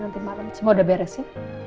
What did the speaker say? nanti malam semua udah beres sih